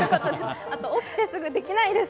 あと起きてすぐできないです。